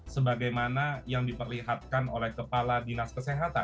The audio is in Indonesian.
sebagaimana yang diperlihatkan oleh kepala dinas kesehatan